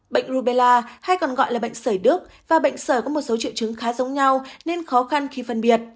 bệnh rubella hay còn gọi là bệnh sởi đức và bệnh sởi có một số triệu chứng khá giống nhau nên khó khăn khi phân biệt